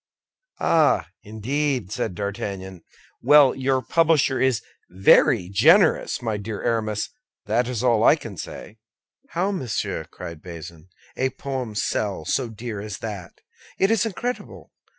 "Ah, indeed," said D'Artagnan. "Well, your publisher is very generous, my dear Aramis, that's all I can say." "How, monsieur?" cried Bazin, "a poem sell so dear as that! It is incredible!